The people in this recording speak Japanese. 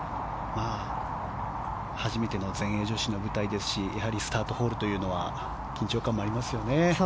初めての全英女子の舞台ですしスタートホールというのは緊張感もありますよね。